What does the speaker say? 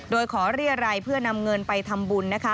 โดยขอเรียรัยเพื่อนำเงินไปทำบุญนะคะ